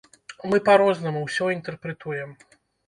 Мы па-рознаму ўсё інтэрпрэтуем.